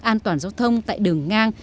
an toàn giao thông tại đường ngang